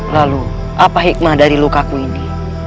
lalu apa hikmah dari lukaku ini